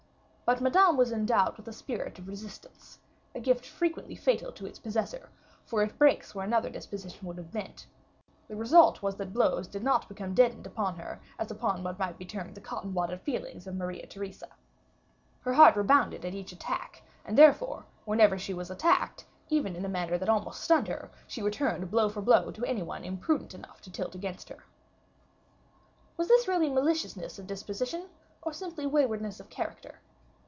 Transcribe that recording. But Madame was endowed with a spirit of resistance a gift frequently fatal to its possessor, for it breaks where another disposition would have bent; the result was that blows did not become deadened upon her as upon what might be termed the cotton wadded feelings of Maria Theresa. Her heart rebounded at each attack, and therefore, whenever she was attacked, even in a manner that almost stunned her, she returned blow for blow to any one imprudent enough to tilt against her. Was this really maliciousness of disposition or simply waywardness of character?